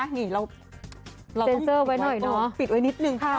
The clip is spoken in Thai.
เจนเซอร์ไว้หน่อยนะอ๋อปิดไว้นิดหนึ่งค่ะ